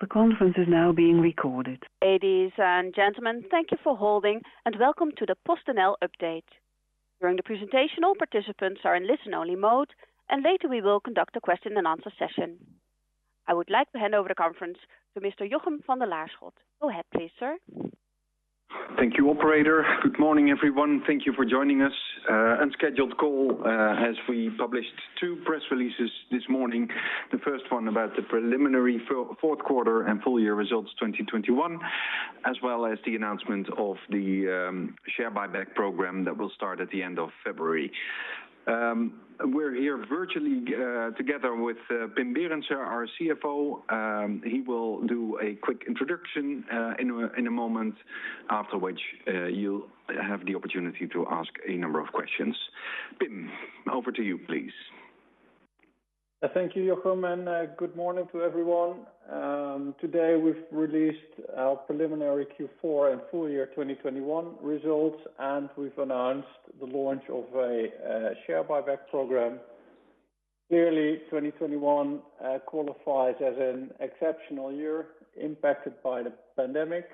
The conference is now being recorded. Ladies and gentlemen, thank you for holding and welcome to the PostNL update. During the presentation, all participants are in listen only mode, and later we will conduct a question and answer session. I would like to hand over the conference to Mr. Jochem van de Laarschot. Go ahead please, sir. Thank you, operator. Good morning, everyone. Thank you for joining us. An unscheduled call, as we published two press releases this morning. The first one about the preliminary fourth quarter and full year results 2021, as well as the announcement of the share buyback program that will start at the end of February. We're here virtually, together with Pim Berendsen, our CFO. He will do a quick introduction in a moment, after which you'll have the opportunity to ask a number of questions. Pim, over to you, please. Thank you, Jochem, and good morning to everyone. Today we've released our preliminary Q4 and full year 2021 results, and we've announced the launch of a share buyback program. Clearly 2021 qualifies as an exceptional year impacted by the pandemic.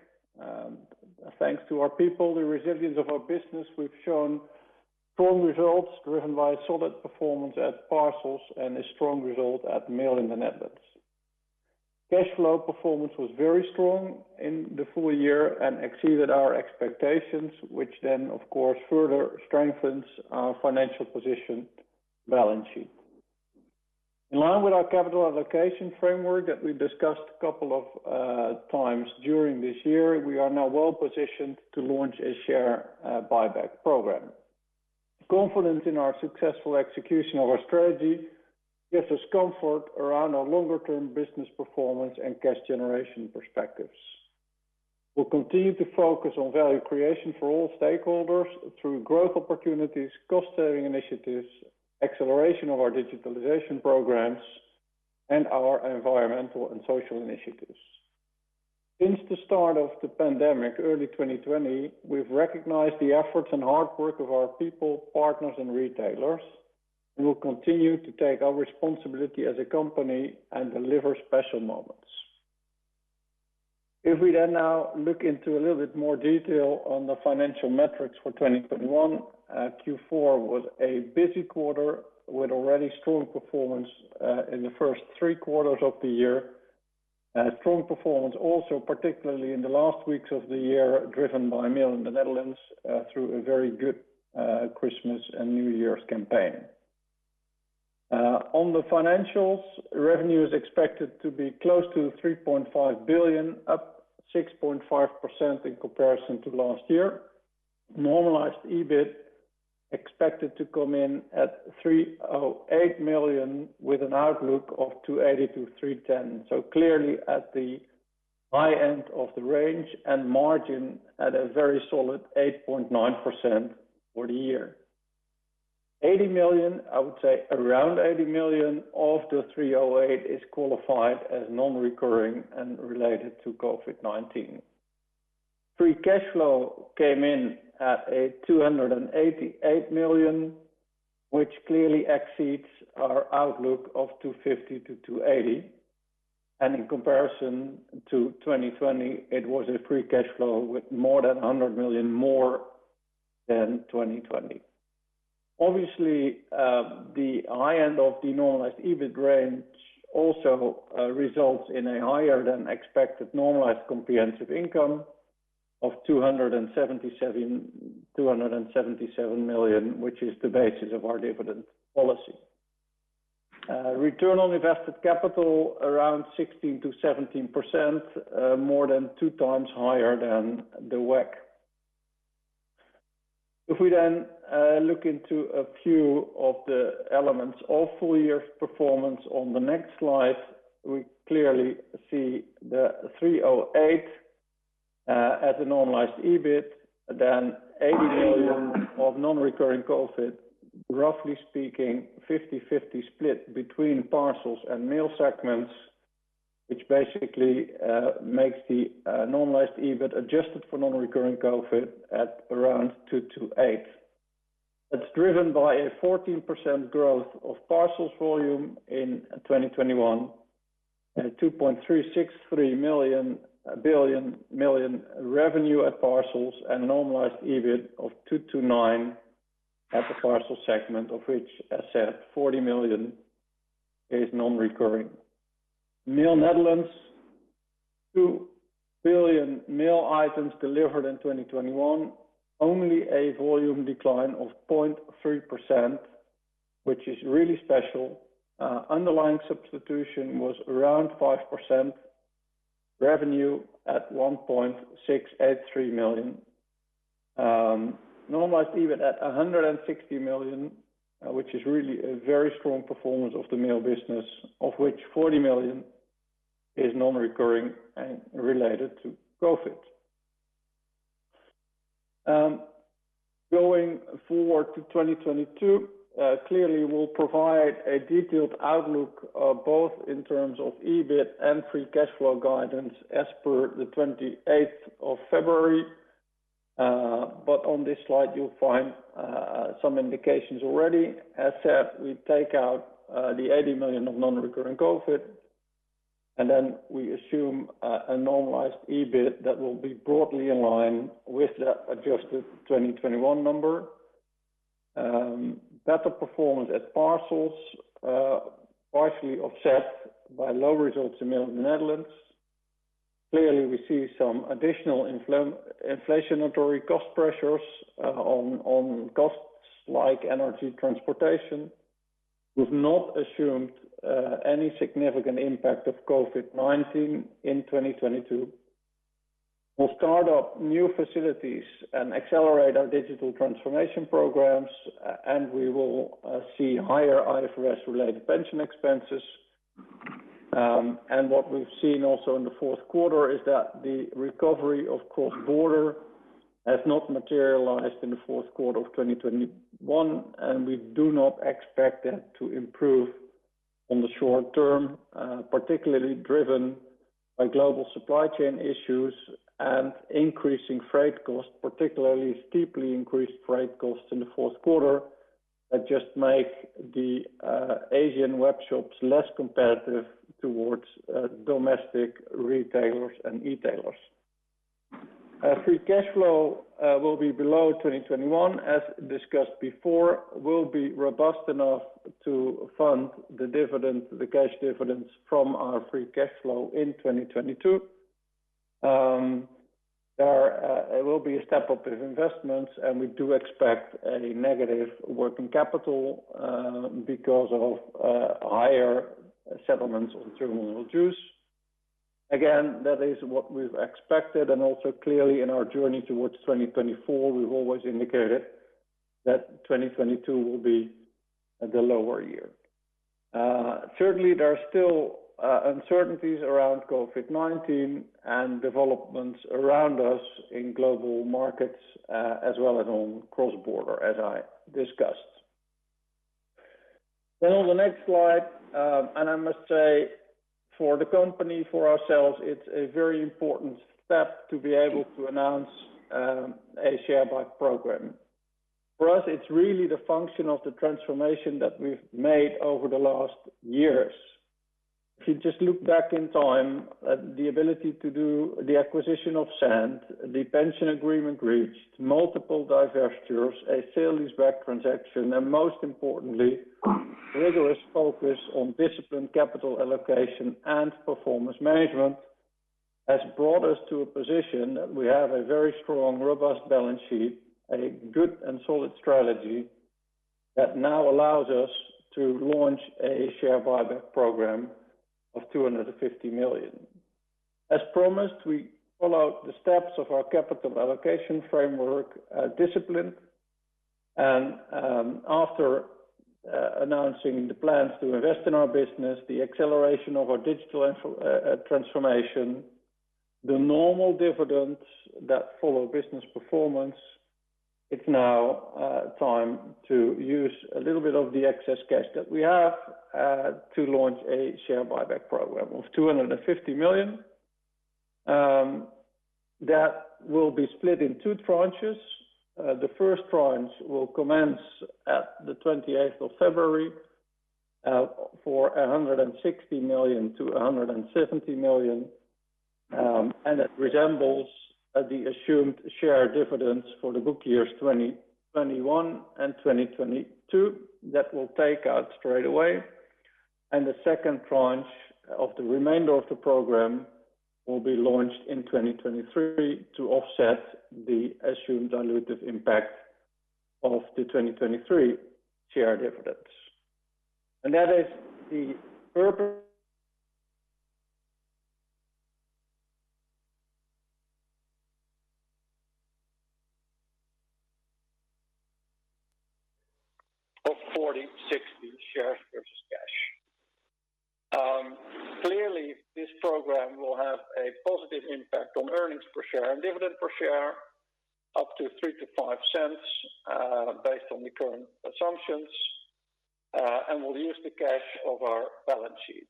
Thanks to our people, the resilience of our business, we've shown strong results driven by solid performance at Parcels and a strong result at Mail in the Netherlands. Cash flow performance was very strong in the full year and exceeded our expectations, which then of course further strengthens our financial position balance sheet. In line with our capital allocation framework that we discussed a couple of times during this year, we are now well-positioned to launch a share buyback program. Confident in our successful execution of our strategy gives us comfort around our longer term business performance and cash generation perspectives. We'll continue to focus on value creation for all stakeholders through growth opportunities, cost saving initiatives, acceleration of our digitalization programs and our environmental and social initiatives. Since the start of the pandemic early 2020, we've recognized the efforts and hard work of our people, partners and retailers. We will continue to take our responsibility as a company and deliver special moments. If we then now look into a little bit more detail on the financial metrics for 2021, Q4 was a busy quarter with already strong performance in the first three quarters of the year. Strong performance also particularly in the last weeks of the year, driven by Mail in the Netherlands through a very good Christmas and New Year's campaign. On the financials, revenue is expected to be close to 3.5 billion, up 6.5% in comparison to last year. Normalized EBIT expected to come in at 308 million with an outlook of 280 million-310 million. Clearly at the high end of the range and margin at a very solid 8.9% for the year. 80 million, I would say around 80 million of the 308 is qualified as non-recurring and related to COVID-19. Free cash flow came in at 288 million, which clearly exceeds our outlook of 250 million-280 million. In comparison to 2020, it was a free cash flow with more than 100 million more than 2020. Obviously, the high end of the normalized EBIT range also results in a higher than expected normalized comprehensive income of 277 million, which is the basis of our dividend policy. Return on invested capital around 16%-17%, more than 2x higher than the WACC. If we then look into a few of the elements of full year performance on the next slide, we clearly see the 308 as a normalized EBIT, then 80 million of non-recurring COVID, roughly speaking 50-50 split between Parcels and Mail segments, which basically makes the normalized EBIT adjusted for non-recurring COVID at around 228. It's driven by a 14% growth of Parcels volume in 2021 and a 2.363 million revenue at Parcels and normalized EBIT of 229 at the Parcels segment, of which as said 40 million is non-recurring. Mail in the Netherlands, 2 billion mail items delivered in 2021. Only a volume decline of 0.3%, which is really special. Underlying substitution was around 5%. Revenue at 1.683 million. Normalized EBIT at 160 million, which is really a very strong performance of the mail business, of which 40 million is non-recurring and related to COVID. Going forward to 2022, clearly we'll provide a detailed outlook, both in terms of EBIT and free cash flow guidance as per the 28th of February. On this slide, you'll find some indications already. As said, we take out the 80 million of non-recurring COVID-19, and then we assume a normalized EBIT that will be broadly in line with the adjusted 2021 number. Better performance at Parcels, partially offset by low results in the Netherlands. Clearly, we see some additional inflationary cost pressures on costs like energy, transportation. We've not assumed any significant impact of COVID-19 in 2022. We'll start up new facilities and accelerate our digital transformation programs, and we will see higher IFRS-related pension expenses. What we've seen also in the fourth quarter is that the recovery of cross-border has not materialized in the fourth quarter of 2021, and we do not expect that to improve on the short term, particularly driven by global supply chain issues and increasing freight costs, particularly steeply increased freight costs in the fourth quarter that just make the Asian webshops less competitive towards domestic retailers and e-tailers. Our free cash flow will be below 2021, as discussed before, will be robust enough to fund the dividend, the cash dividends from our free cash flow in 2022. There will be a step-up of investments, and we do expect a negative working capital because of higher settlements on terminal dues. Again, that is what we've expected. Also clearly in our journey towards 2024, we've always indicated that 2022 will be the lower year. Certainly there are still uncertainties around COVID-19 and developments around us in global markets, as well as on cross-border, as I discussed. On the next slide, and I must say for the company, for ourselves, it's a very important step to be able to announce a share buy program. For us, it's really the function of the transformation that we've made over the last years. If you just look back in time at the ability to do the acquisition of Sandd, the pension agreement reached, multiple divestitures, a sale-and-leaseback transaction, and most importantly, rigorous focus on disciplined capital allocation and performance management, has brought us to a position that we have a very strong, robust balance sheet, a good and solid strategy that now allows us to launch a share buyback program of 250 million. As promised, we follow the steps of our capital allocation framework, discipline, and after announcing the plans to invest in our business, the acceleration of our digital transformation, the normal dividends that follow business performance, it's now time to use a little bit of the excess cash that we have to launch a share buyback program of 250 million. That will be split in two tranches. The first tranche will commence at the 28th of February, for 160 million-170 million, and it resembles the assumed share dividends for the book years 2021 and 2022. That we'll take out straight away. The second tranche of the remainder of the program will be launched in 2023 to offset the assumed dilutive impact of the 2023 share dividends. That is the purpose of 40-60 shares versus cash. Clearly this program will have a positive impact on earnings per share and dividend per share, up to 0.03-0.05, based on the current assumptions, and we'll use the cash of our balance sheet.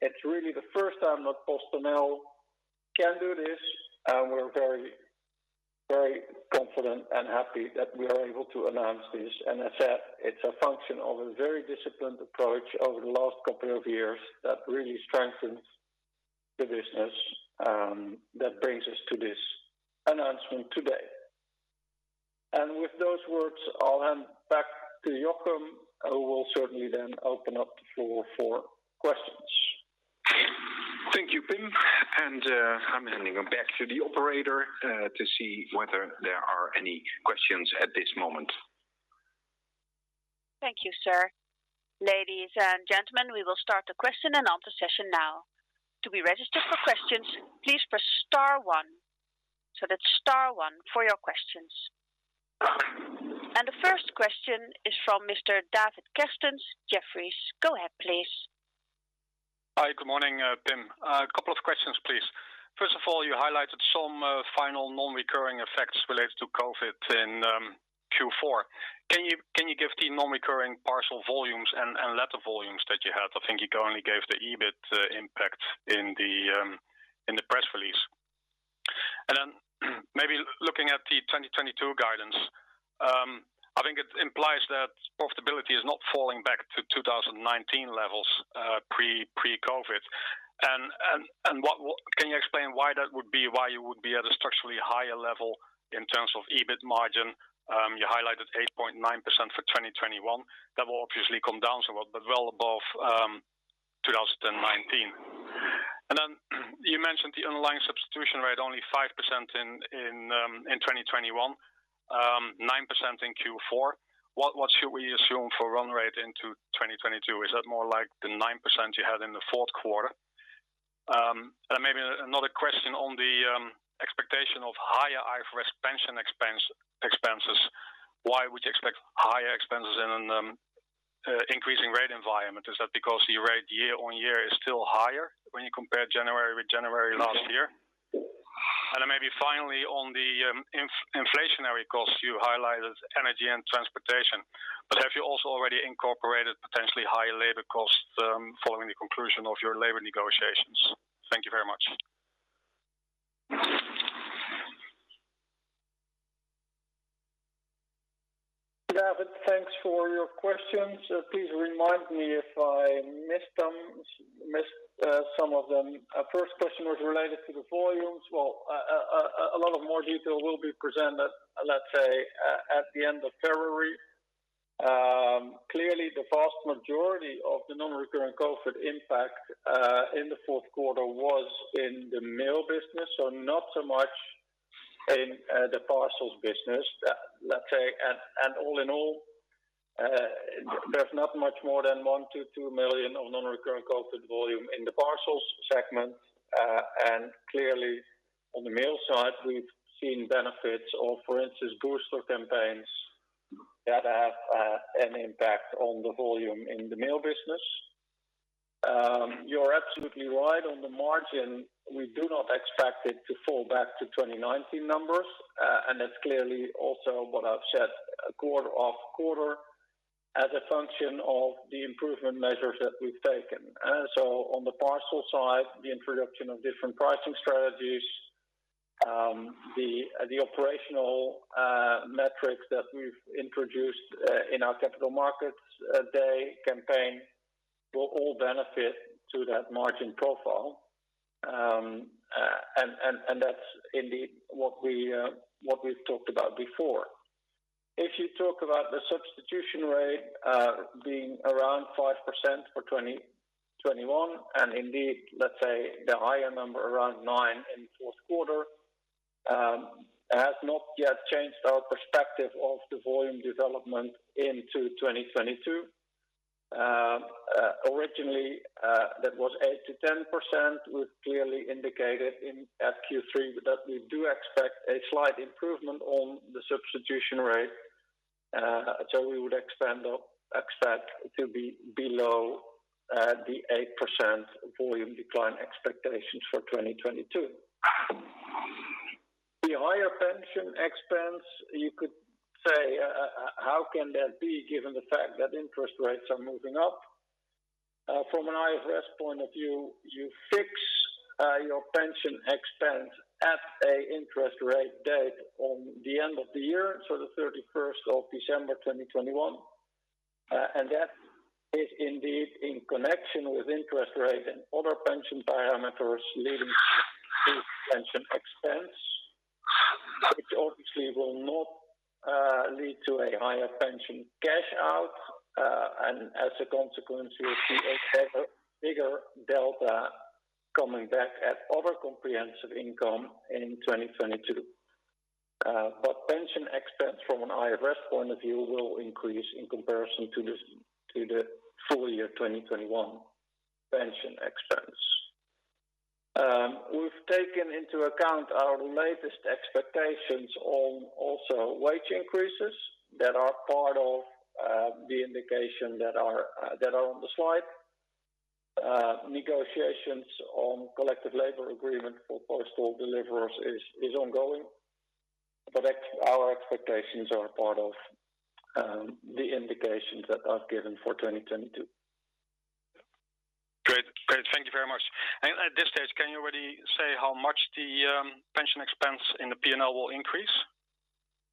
It is really the first time that PostNL can do this, and we're very, very confident and happy that we are able to announce this. As said, it's a function of a very disciplined approach over the last couple of years that really strengthens the business, that brings us to this announcement today. With those words, I'll hand back to Jochem, who will certainly then open up the floor for questions. Thank you, Pim. I'm handing it back to the operator to see whether there are any questions at this moment. Thank you, sir. Ladies and gentlemen, we will start the question and answer session now. To be registered for questions, please press star one. So that's star one for your questions. The first question is from Mr. David Kerstens, Jefferies. Go ahead, please. Hi. Good morning, Pim. A couple of questions, please. First of all, you highlighted some final non-recurring effects - COVID in Q4. Can you give the non-recurring parcel volumes and letter volumes that you had? I think you only gave the EBIT impact in the press release. And then maybe looking at the 2022 guidance, I think it implies that profitability is not falling back to 2019 levels, pre-COVID. And what. Can you explain why that would be? Why you would be at a structurally higher level in terms of EBIT margin? You highlighted 8.9% for 2021. That will obviously come down somewhat but well above 2019. Then you mentioned the underlying substitution rate only 5% in 2021, 9% in Q4. What should we assume for run rate into 2022? Is that more like the 9% you had in the fourth quarter? Maybe another question on the expectation of higher IFRS pension expenses. Why would you expect higher expenses in an increasing rate environment? Is that because your rate year-on-year is still higher when you compare January with January last year? Maybe finally on the inflationary costs, you highlighted energy and transportation. But have you also already incorporated potentially higher labor costs following the conclusion of your labor negotiations? Thank you very much. David, thanks for your questions. Please remind me if I missed some of them. Our first question was related to the volumes. Well, a lot of more detail will be presented, let's say, at the end of February. Clearly, the vast majority of the non-recurring COVID impact in the fourth quarter was in the mail business. Not so much in the parcels business, let's say. All in all, there's not much more than 1-2 million of non-recurring COVID volume in the parcels segment. Clearly on the mail side, we've seen benefits of, for instance, booster campaigns that have an impact on the volume in the mail business. You're absolutely right on the margin. We do not expect it to fall back to 2019 numbers. That's clearly also what I've said quarter-on-quarter as a function of the improvement measures that we've taken. On the parcel side, the introduction of different pricing strategies, the operational metrics that we've introduced in our capital markets day campaign will all benefit to that margin profile. That's indeed what we've talked about before. If you talk about the substitution rate being around 5% for 2021, and indeed, let's say the higher number around 9% in the fourth quarter, has not yet changed our perspective of the volume development into 2022. Originally, that was 8%-10%. We've clearly indicated in Q3 that we do expect a slight improvement on the substitution rate. We expect to be below the 8% volume decline expectations for 2022. The higher pension expense, you could say, how can that be given the fact that interest rates are moving up? From an IFRS point of view, you fix your pension expense at an interest rate date at the end of the year, so the 31st of December 2021. That is indeed in connection with interest rate and other pension parameters leading to pension expense, which obviously will not lead to a higher pension cash out. As a consequence, you'll see a bigger delta coming back at other comprehensive income in 2022. Pension expense from an IFRS point of view will increase in comparison to the full year 2021 pension expense. We've taken into account our latest expectations on also wage increases that are part of the indication that are on the slide. Negotiations on collective labor agreement for postal deliverers is ongoing, but our expectations are part of the indications that I've given for 2022. Great. Thank you very much. At this stage, can you already say how much the pension expense in the P&L will increase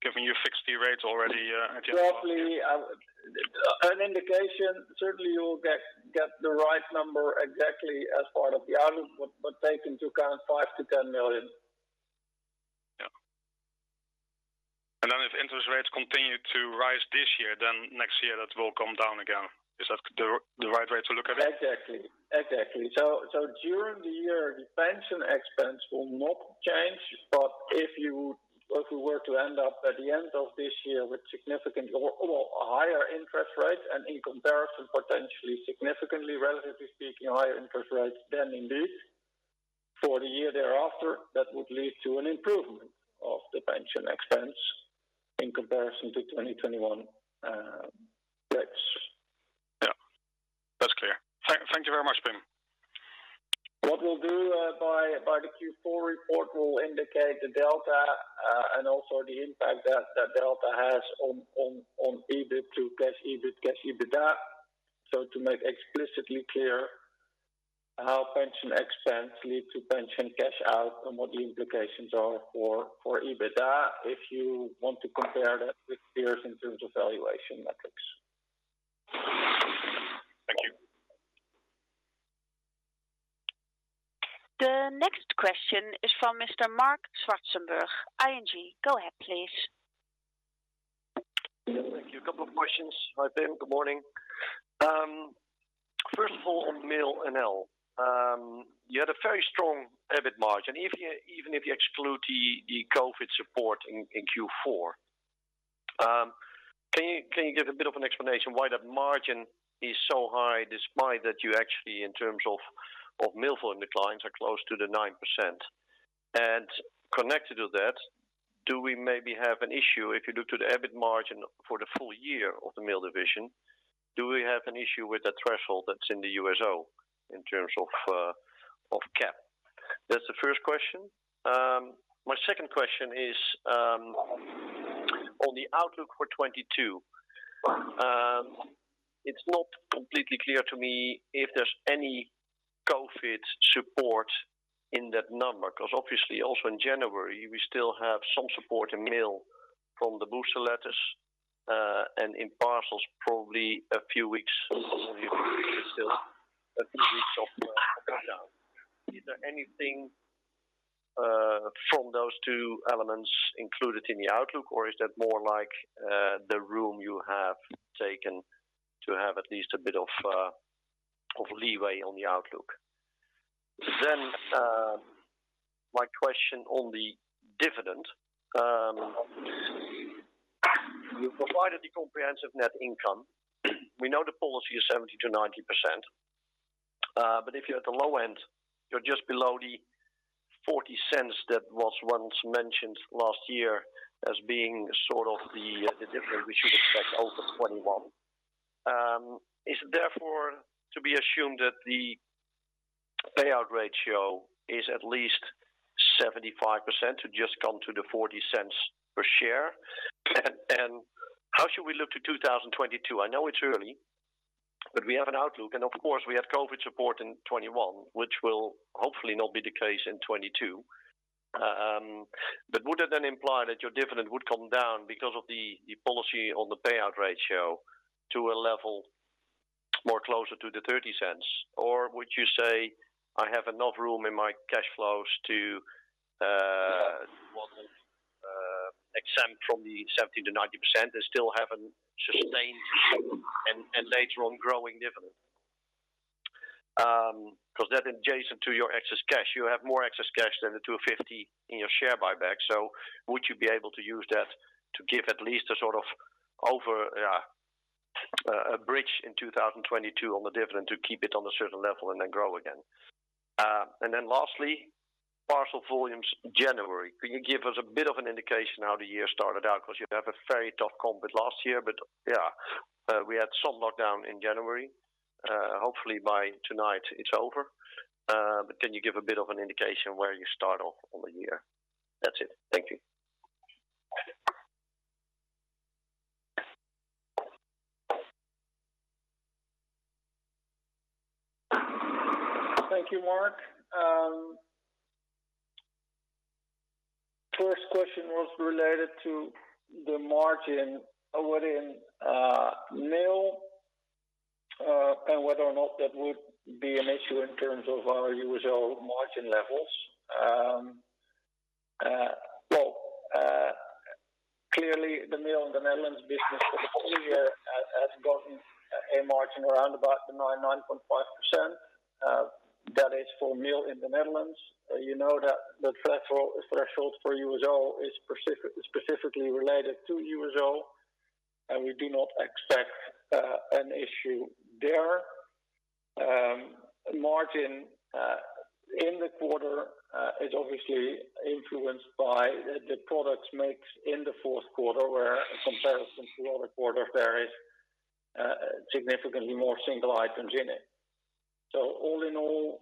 given you fixed the rates already at the end of last year? Roughly, an indication, certainly you will get the right number exactly as part of the outlook, but take into account 5 million-10 million. Yeah. Then if interest rates continue to rise this year, then next year that will come down again. Is that the right way to look at it? Exactly. During the year, the pension expense will not change. If we were to end up at the end of this year with significant or higher interest rates and in comparison, potentially significantly, relatively speaking, higher interest rates, then indeed for the year thereafter, that would lead to an improvement of the pension expense in comparison to 2021. Thank you very much, Pim. What we'll do, by the Q4 report, will indicate the delta, and also the impact that delta has on EBIT to cash EBIT, cash EBITDA. To make explicitly clear how pension expense lead to pension cash out and what the implications are for EBITDA, if you want to compare that with peers in terms of valuation metrics. Thank you. The next question is from Mr. Marc Zwartsenburg, ING. Go ahead, please. Yeah, thank you. A couple of questions. Hi Pim, good morning. First of all, on Mail NL. You had a very strong EBIT margin even if you exclude the COVID support in Q4. Can you give a bit of an explanation why that margin is so high despite that you actually, in terms of mail volume declines are close to 9%? Connected to that, do we maybe have an issue if you look to the EBIT margin for the full year of the mail division, do we have an issue with the threshold that's in the USO in terms of CapEx? That's the first question. My second question is on the outlook for 2022. It's not completely clear to me if there's any COVID support in that number. Because obviously also in January, we still have some support in mail from the booster letters, and in parcels probably a few weeks of down. Is there anything from those two elements included in the outlook? Or is that more like the room you have taken to have at least a bit of leeway on the outlook? My question on the dividend. You provided the comprehensive net income. We know the policy is 70%-90%. But if you're at the low end, you're just below the 0.40 that was once mentioned last year as being sort of the dividend we should expect over 2021. Is it therefore to be assumed that the payout ratio is at least 75% to just come to the 0.40 per share? How should we look to 2022? I know it's early, but we have an outlook, and of course we have COVID support in 2021, which will hopefully not be the case in 2022. Would that then imply that your dividend would come down because of the policy on the payout ratio to a level more closer to the 0.30? Or would you say, I have enough room in my cash flows to model exempt from the 70%-90% and still have a sustained and later on growing dividend? 'Cause in addition to your excess cash, you have more excess cash than the 250 in your share buyback. Would you be able to use that to give at least a sort of a bridge in 2022 on the dividend to keep it on a certain level and then grow again? Lastly, parcel volumes January. Could you give us a bit of an indication how the year started out? Because you have a very tough comp with last year. Yeah, we had some lockdown in January. Hopefully by tonight it's over. Can you give a bit of an indication where you start off on the year? That's it. Thank you. Thank you, Marc. First question was related to the margin within Mail and whether or not that would be an issue in terms of our USO margin levels. Well, clearly the Mail in the Netherlands business for the full year has gotten a margin around about the 9.5%. That is for Mail in the Netherlands. You know that the threshold for USO is specifically related to USO, and we do not expect an issue there. Margin in the quarter is obviously influenced by the product mix in the fourth quarter, where in comparison to other quarters there is significantly more single items in it. All in all,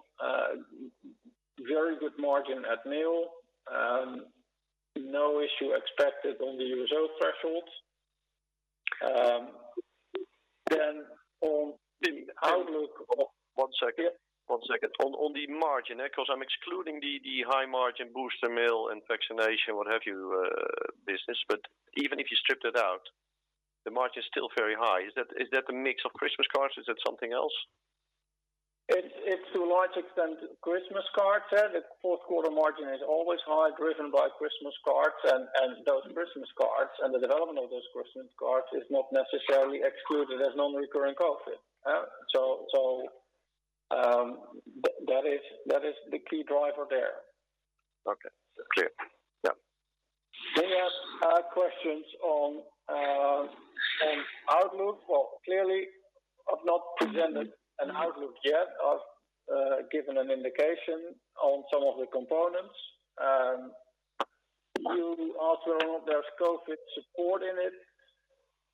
very good margin in Mail. No issue expected on the USO threshold. On the outlook- Pim, one second. Yeah. One second. On the margin, because I'm excluding the high margin booster mail and vaccination, what have you, business. Even if you stripped it out, the margin is still very high. Is that the mix of Christmas cards? Is that something else? It's to a large extent Christmas cards, yeah. The fourth quarter margin is always high, driven by Christmas cards and those Christmas cards. The development of those Christmas cards is not necessarily excluded as non-recurring COVID. Yeah. That is the key driver there. Okay. Clear. Yeah. You have questions on outlook. Well, clearly I've not presented an outlook yet. I've given an indication on some of the components. You also, there's COVID support in it.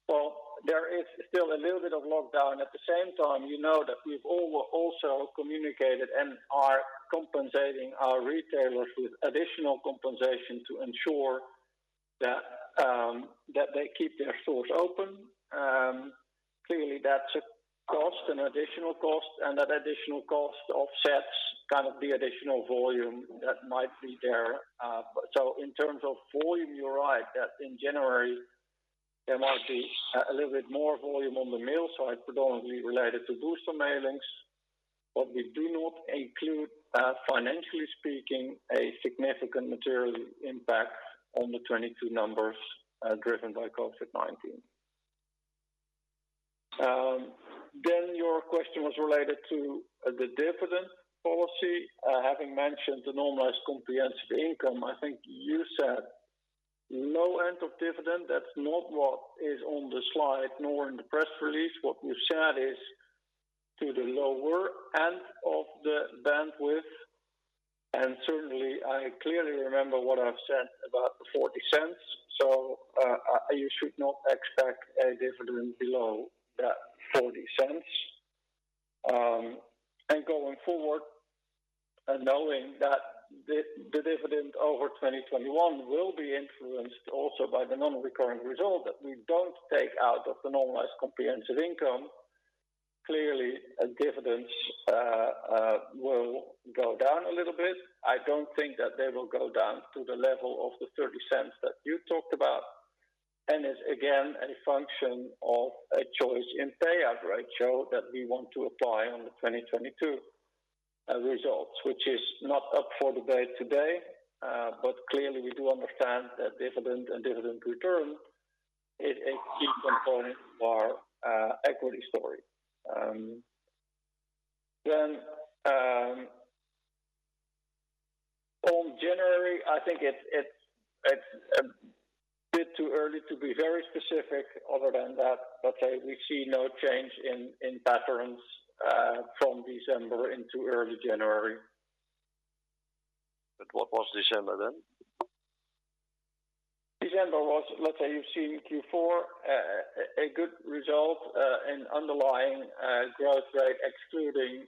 Well, there is still a little bit of lockdown. At the same time, you know that we've all also communicated and are compensating our retailers with additional compensation to ensure that they keep their stores open. Clearly that's a cost, an additional cost, and that additional cost offsets kind of the additional volume that might be there. In terms of volume, you're right that in January there might be a little bit more volume on the mail side, predominantly related to booster mailings. We do not include, financially speaking, a significant material impact on the 2022 numbers, driven by COVID-19. Your question was related to the dividend policy. Having mentioned the normalized comprehensive income, I think you said low end of dividend. That's not what is on the slide nor in the press release. What we've said is to the lower end of the bandwidth, and certainly I clearly remember what I've said about the EUR 0.40. You should not expect a dividend below that 0.40. Going forward, knowing that the dividend over 2021 will be influenced also by the non-recurring result that we don't take out of the normalized comprehensive income. Clearly, dividends will go down a little bit. I don't think that they will go down to the level of the 0.30 that you talked about. It's again a function of a choice in payout ratio that we want to apply on the 2022 results, which is not up for debate today. Clearly we do understand that dividend and dividend return is a key component to our equity story. On January, I think it's a bit too early to be very specific other than that. We see no change in patterns from December into early January. What was December then? December was, let's say you've seen Q4, a good result in underlying growth rate excluding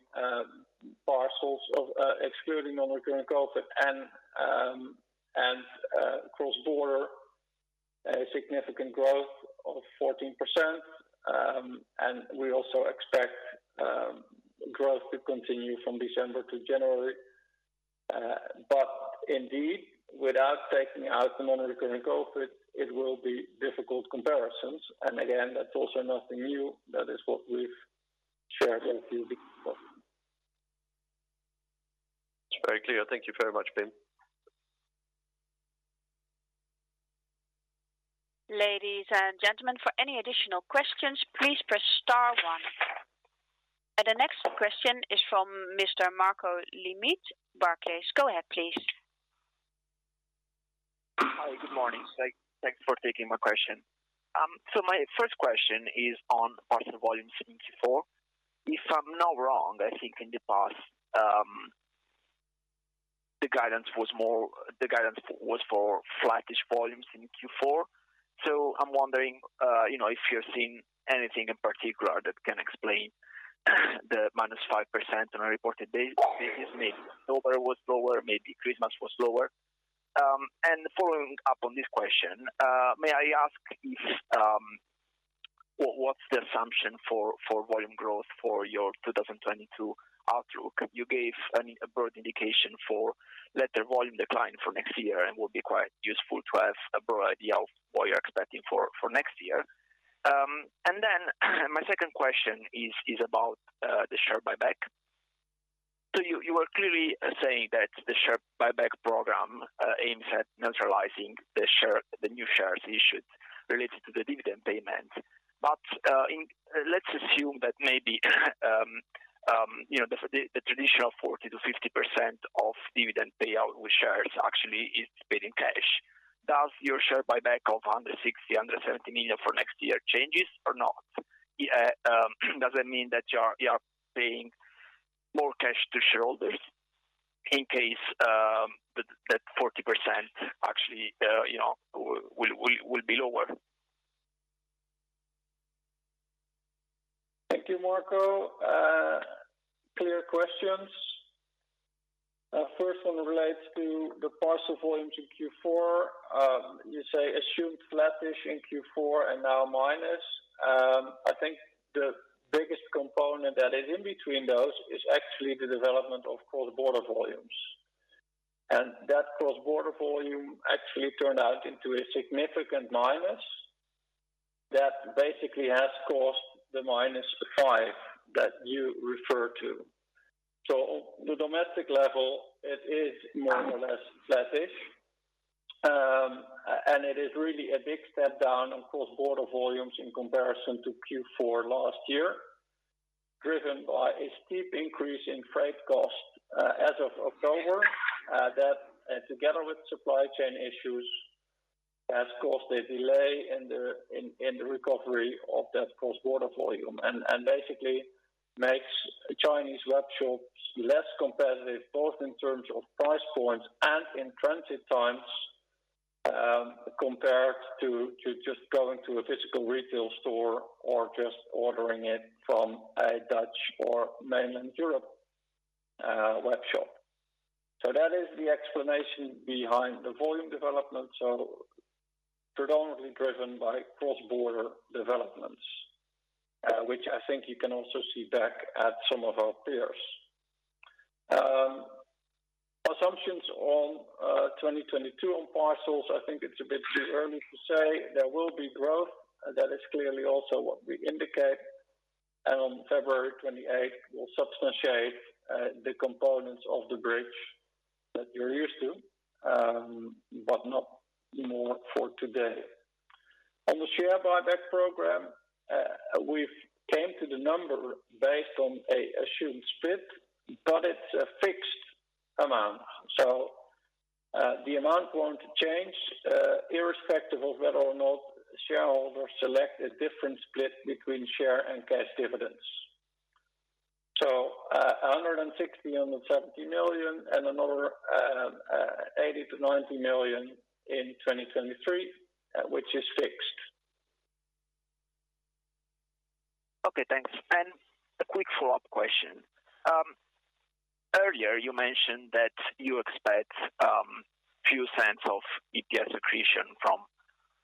Parcels, excluding non-recurring COVID and cross-border, significant growth of 14%. We also expect growth to continue from December to January. Indeed, without taking out the non-recurring COVID, it will be difficult comparisons. Again, that's also nothing new. That is what we've shared a few weeks ago. It's very clear. Thank you very much, Pim. Ladies and gentlemen, for any additional questions, please press star one. The next question is from Mr. Marco Limite, Barclays. Go ahead, please. Hi. Good morning. Thank you for taking my question. My first question is on parcel volume in Q4. If I'm not wrong, I think in the past, the guidance was for flattish volumes in Q4. I'm wondering, you know, if you're seeing anything in particular that can explain the -5% on a reported basis. Maybe November was lower, maybe Christmas was lower. Following up on this question, may I ask what's the assumption for volume growth for your 2022 outlook? You gave a broad indication for letter volume decline for next year, and it would be quite useful to have a broad idea of what you're expecting for next year. My second question is about the share buyback. You were clearly saying that the share buyback program aims at neutralizing the new shares issued related to the dividend payment. Let's assume that maybe you know the traditional 40%-50% of dividend payout with shares actually is paid in cash. Does your share buyback of 160 million-170 million for next year changes or not? Does it mean that you are paying more cash to shareholders in case that 40% actually you know will be lower? Thank you, Marco. Clear questions. First one relates to the parcel volumes in Q4. You say assumed flattish in Q4 and now minus. I think the biggest component that is in between those is actually the development of cross-border volumes. That cross-border volume actually turned out to a significant minus that basically has caused the -5% that you refer to. On the domestic level, it is more or less flattish. It is really a big step down on cross-border volumes in comparison to Q4 last year, driven by a steep increase in freight costs as of October. That together with supply chain issues has caused a delay in the recovery of that cross-border volume, and basically makes Chinese webshops less competitive, both in terms of price points and in transit times, compared to just going to a physical retail store or just ordering it from a Dutch or mainland Europe webshop. That is the explanation behind the volume development, predominantly driven by cross-border developments, which I think you can also see back at some of our peers. Assumptions on 2022 on parcels, I think it's a bit too early to say. There will be growth, that is clearly also what we indicate, and on February 28 we'll substantiate the components of the bridge that you're used to, but not more for today. On the share buyback program, we've came to the number based on a assumed split, but it's a fixed amount. The amount won't change, irrespective of whether or not shareholders select a different split between share and cash dividends. 160 million-170 million, and another 80 million-90 million in 2023, which is fixed. Okay, thanks. A quick follow-up question. Earlier you mentioned that you expect few cents of EPS accretion from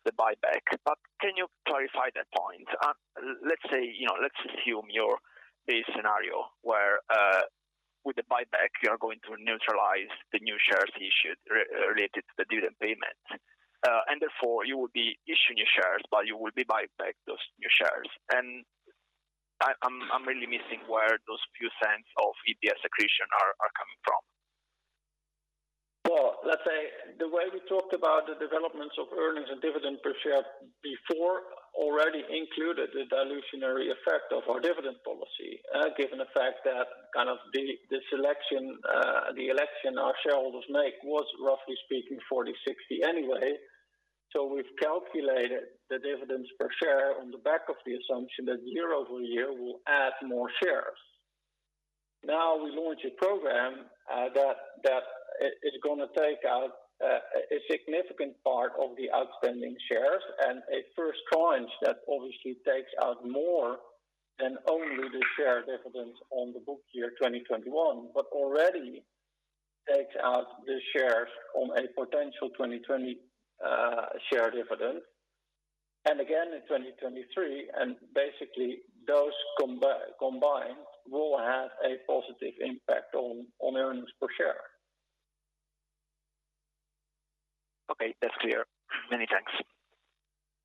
the buyback, but can you clarify that point? Let's say, you know, let's assume your base scenario where with the buyback you are going to neutralize the new shares issued related to the dividend payment. Therefore, you will be issuing your shares, but you will be buying back those new shares. I'm really missing where those few cents of EPS accretion are coming from. Well, let's say the way we talked about the developments of earnings and dividend per share before already included the dilutionary effect of our dividend policy, given the fact that kind of the election our shareholders make was roughly speaking 40/60 anyway. We've calculated the dividends per share on the back of the assumption that year-over-year we'll add more shares. Now, we launch a program that is gonna take out a significant part of the outstanding shares, and a first tranche that obviously takes out more than only the share dividend on the book year 2021, but already takes out the shares on a potential 2020 share dividend. Again in 2023, and basically those combined will have a positive impact on earnings per share. Okay, that's clear. Many thanks.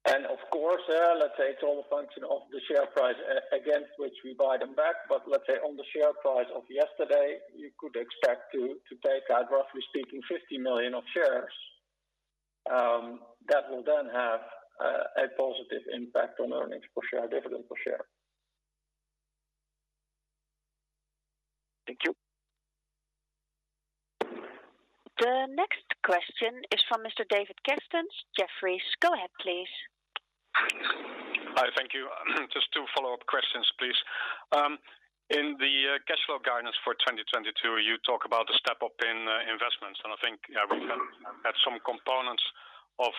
Of course, let's say it's all a function of the share price against which we buy them back. Let's say on the share price of yesterday, you could expect to take out, roughly speaking, 50 million shares that will then have a positive impact on earnings per share, dividend per share. Thank you. The next question is from Mr. David Kerstens, Jefferies. Go ahead, please. Hi, thank you. Just two follow-up questions please. In the cash flow guidance for 2022, you talk about a step up in investments, and I think, yeah, we can add some components of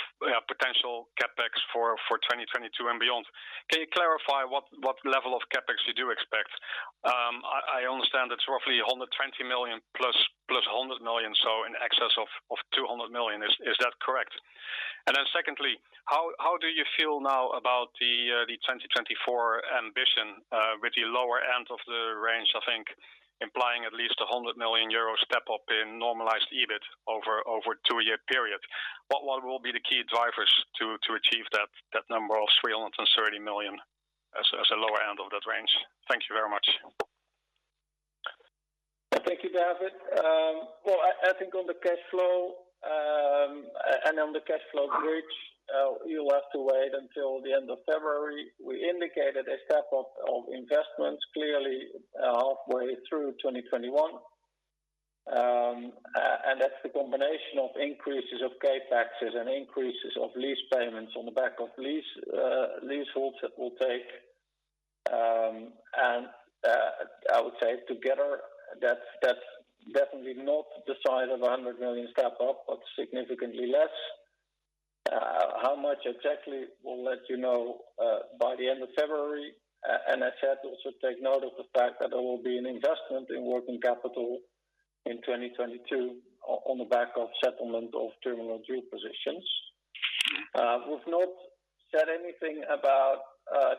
potential CapEx for 2022 and beyond. Can you clarify what level of CapEx you do expect? I understand it's roughly 120 million plus 100 million, so in excess of 200 million. Is that correct? And then secondly, how do you feel now about the 2024 ambition with the lower end of the range, I think implying at least 100 million euro step up in normalized EBIT over a two-year period? What will be the key drivers to achieve that number of 300 million as a lower end of that range? Thank you very much. Thank you, David. Well, I think on the cash flow and on the cash flow bridge, you'll have to wait until the end of February. We indicated a step up of investments clearly halfway through 2021. That's the combination of increases of CapEx and increases of lease payments on the back of leaseholds that will take, and I would say together that's definitely not the size of 100 million step up, but significantly less. How much exactly we'll let you know by the end of February. I said also take note of the fact that there will be an investment in working capital in 2022 on the back of settlement of terminal dues positions. We've not said anything about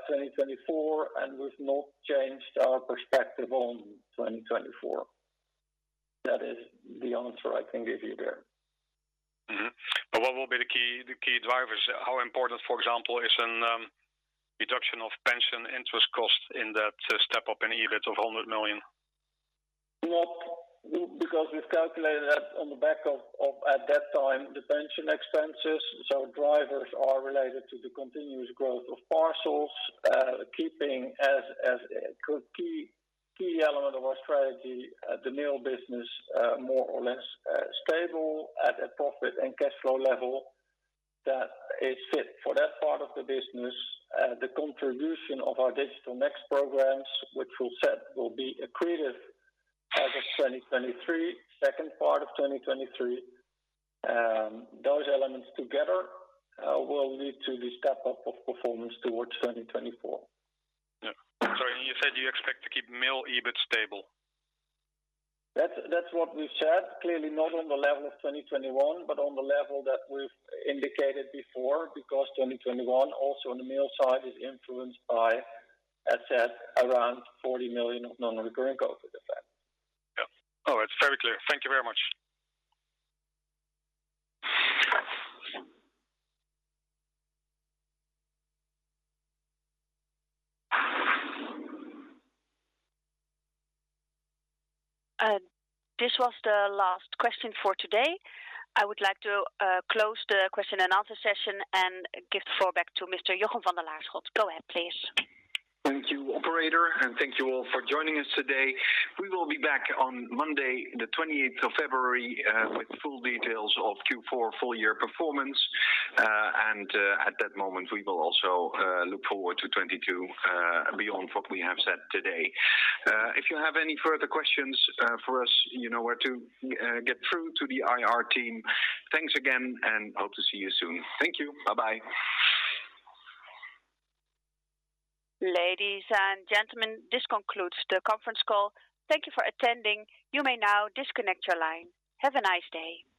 2024, and we've not changed our perspective on 2024. That is the answer I can give you there. Mm-hmm. What will be the key drivers? How important, for example, is a deduction of pension interest costs in that step up in EBIT of 100 million? Because we've calculated that on the back of at that time the pension expenses. Drivers are related to the continuous growth of Parcels, keeping as a key element of our strategy, the mail business, more or less, stable at a profit and cash flow level that is fit for that part of the business. The contribution of our Digital Next programs, which we said will be accretive as of 2023, second part of 2023. Those elements together will lead to the step up of performance towards 2024. Yeah. Sorry, you said you expect to keep mail EBIT stable? That's what we've said. Clearly not on the level of 2021, but on the level that we've indicated before, because 2021 also on the mail side is influenced by, as said, around EUR 40 million of non-recurring COVID-19 effect. Yeah. All right, very clear. Thank you very much. This was the last question for today. I would like to close the question and answer session and give the floor back to Mr. Jochem van de Laarschot. Go ahead, please. Thank you, operator, and thank you all for joining us today. We will be back on Monday, the twenty-eighth of February, with full details of Q4 full year performance. At that moment, we will also look forward to 2022, beyond what we have said today. If you have any further questions for us, you know where to get through to the IR team. Thanks again and hope to see you soon. Thank you. Bye-bye. Ladies and gentlemen, this concludes the conference call. Thank you for attending. You may now disconnect your line. Have a nice day.